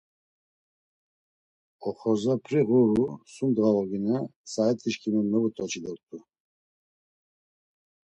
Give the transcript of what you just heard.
Oxorza p̌ri ğuru sum ndğa ogine saet̆işǩimi mevut̆oçi dort̆u.